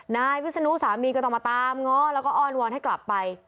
นายวิศนุสามีก็ต้องมาตามง้อแล้วก็อ้อนวอนให้กลับไป